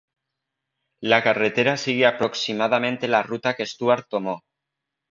La carretera sigue aproximadamente la ruta que Stuart tomó.